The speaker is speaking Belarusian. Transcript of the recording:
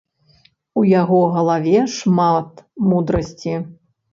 У яго галаве шмат мудрасці.